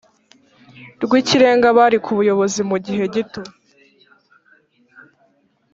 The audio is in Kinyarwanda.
rw Ikirenga bari ku buyobozi mu gihe gito